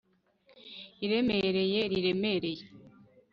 iremereye riremereye